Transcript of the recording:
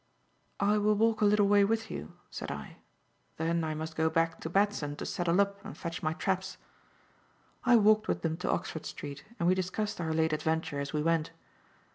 "I will walk a little way with you," said I. "Then I must go back to Batson to settle up and fetch my traps." I walked with them to Oxford Street and we discussed our late adventure as we went.